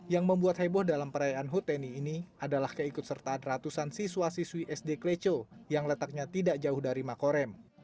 yang membuat heboh dalam perayaan hut tni ini adalah keikut sertaan ratusan siswa siswi sd kleco yang letaknya tidak jauh dari makorem